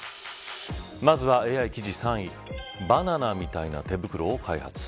まずはＡＩ記事３位バナナみたいな手袋を開発。